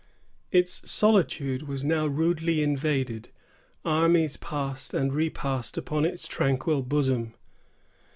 Its solitude was now rudely invaded. Armies passed and repassed upon its tranquil bosom.